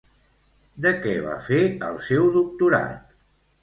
De què va fer el seu doctorat?